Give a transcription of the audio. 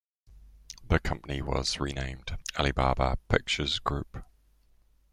The company was renamed Alibaba Pictures Group.